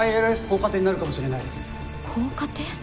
ＩＬＳ高カテになるかもしれないです。